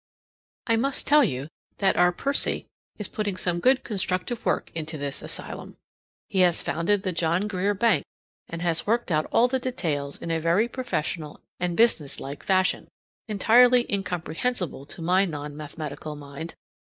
I must tell you that our Percy is putting some good constructive work into this asylum. He has founded the John Grier Bank, and has worked out all the details in a very professional and businesslike fashion, entirely incomprehensible to my non mathematical mind.